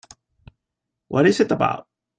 What is it about?